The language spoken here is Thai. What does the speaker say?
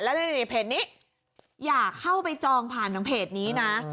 แล้วนี่เพจนี้อย่าเข้าไปจองผ่านทางเพจนี้นะ